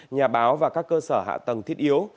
nhà báo và các cơ sở hạ tầng thiết yếu